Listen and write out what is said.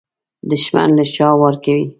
دښمن له شا وار کوي